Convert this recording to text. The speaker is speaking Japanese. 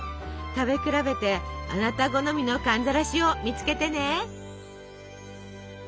食べ比べてあなた好みの寒ざらしを見つけてね。